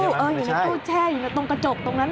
อยู่ในตู้แช่อยู่ในตรงกระจกตรงนั้น